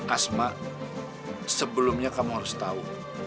asma sebelumnya kamu harus tahu